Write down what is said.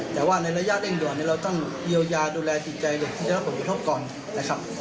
แต่ว่าในระยะเร่งด่วนเราต้องเยียวยาดูแลดีใจเด็กที่จะรับประโยชน์กระทบก่อน